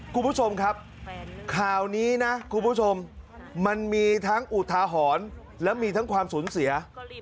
คุณผู้ชมครับข่าวนี้นะคุณผู้ชมมันมีทั้งอุทาหรณ์และมีทั้งความสูญเสีย